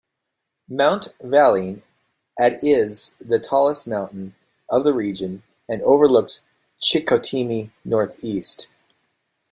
Mount Valin at is the tallest mountain of the region, and overlooks Chicoutimi north-east.